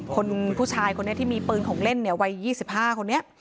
คนผู้ชายคนนี้ที่มีปืนของเล่นเนี่ยวัย๒๕คนนี้